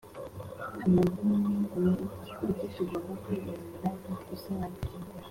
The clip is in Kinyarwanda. Amazimwe ni iki Kuki tugomba kwirinda gusebanya